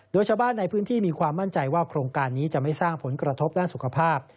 โดยชาวบ้านในพื้นที่มีความมั่นใจว่าโครงการนี้จะไม่สร้างผลกระทบด้านสุขภาพ